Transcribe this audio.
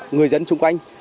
người dân xung quanh